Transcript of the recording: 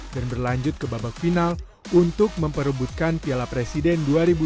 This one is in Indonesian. dan berlanjut ke babak final untuk memperebutkan piala presiden dua ribu dua puluh dua